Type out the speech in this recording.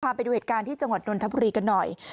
ไปดูเหตุการณ์ที่จังหวัดนนทบุรีกันหน่อย